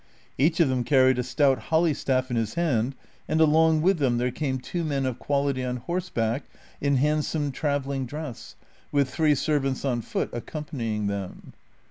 Each of them carried a stout holly staff in his hand, and along Avith them there came two men of quality on horseback in hand some travelling dress, with three servants on foot accompany ing them.